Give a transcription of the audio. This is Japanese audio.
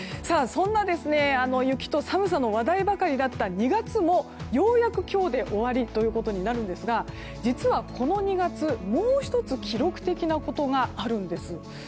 そんな雪と寒さの話題ばかりだった２月もようやく今日で終わりとなるんですが実はこの２月、もう１つ記録的なことがあるんです。